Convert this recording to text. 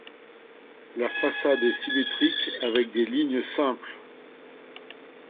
La façade est symétrique avec des lignes simples.